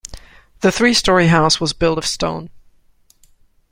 The three story house was built of stone.